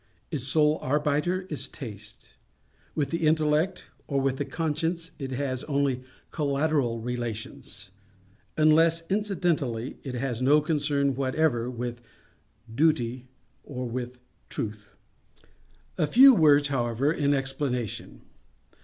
_Its sole arbiter is Taste. With the Intellect or with the Conscience it has only collateral relations. Unless incidentally, it has no concern whatever either with Duty or with Truth. A few words, however, in explanation.